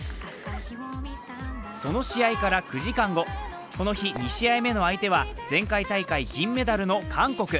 その試合から９時間後、この日、２試合目の相手は前回大会銀メダルの韓国。